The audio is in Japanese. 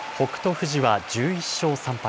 富士は１１勝３敗。